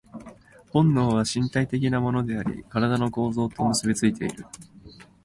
本能は身体的なものであり、身体の構造と結び付いている。